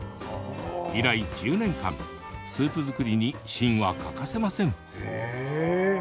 以来１０年間スープ作りに芯は欠かせません。